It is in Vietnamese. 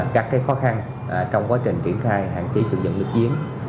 các khó khăn trong quá trình triển khai hạn chế sử dụng nước giếng